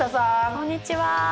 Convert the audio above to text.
こんにちは。